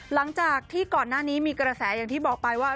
หลังจากที่ก่อนหน้านี้มีกระแสอย่างที่บอกไปว่า